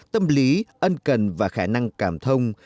tâm lý ân cần và khả năng cảm thông